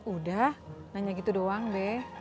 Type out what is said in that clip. udah nanya gitu doang deh